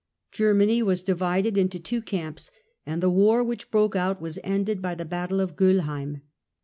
Germany was divided into two camps, and the war which broke out was ended by the Battle of Goellheim.